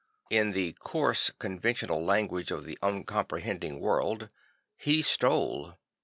In the coarse conventional language of the uncomprehending world, he stole.